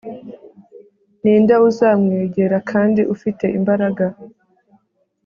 Ninde uzamwegera kandi ufite imbaraga